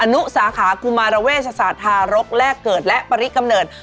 นุสาขากุมารเวชศาสตร์ทารกแลกเกิดและปริกำเนิด